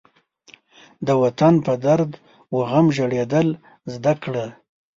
د وطن په درد و غم ژړېدل زده کړه.